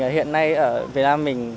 hiện nay ở việt nam mình